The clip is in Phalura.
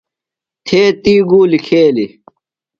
تھے تی گولی کھیلی۔